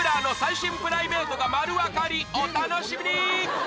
お楽しみに！